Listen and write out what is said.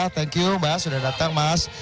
thank you mbak sudah datang mas